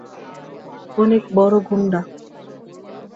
অনেক বড় গুন্ডা।